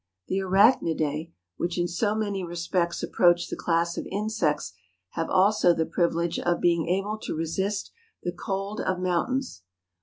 The arachnidse, which in so many respects ap¬ proach the class of insects have also the privilege of being able to resist the cold of mountains.